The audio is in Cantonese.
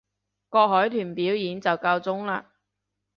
個海豚表演就夠鐘喇